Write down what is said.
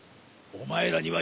お前らは。